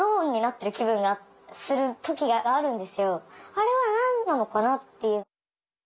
あれは何なのかなっていう。